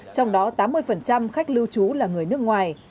trong đó tám mươi khách lưu trú là người nước ngoài